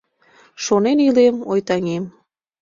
Шонен илем, ой, таҥем.